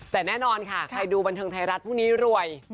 แต่แน่นอนค่ะใครดูบันเทิงไทยรัฐพรุ่งนี้รวย